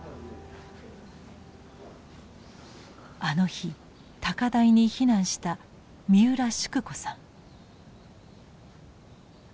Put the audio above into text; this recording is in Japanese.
あの日高台に避難した三浦祝子さん。